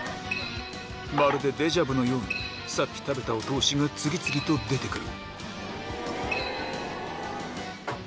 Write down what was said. まるでデジャビュのようにさっき食べたお通しが次々と出てくる